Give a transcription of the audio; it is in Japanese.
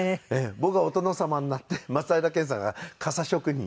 僕がお殿様になって松平健さんが傘職人で。